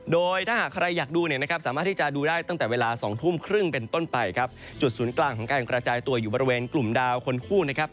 โดยถ้าหากใครอยากดูเนี่ยนะครับสามารถที่จะดูได้ตั้งแต่เวลาสองทุ่มครึ่งเป็นต้นไปครับจุดศูนย์กลางของการกระจายตัวอยู่บริเวณกลุ่มดาวคนคู่นะครับ